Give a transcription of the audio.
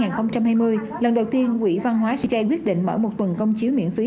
năm hai nghìn hai mươi lần đầu tiên quỹ văn hóa sijj quyết định mở một tuần công chiếu miễn phí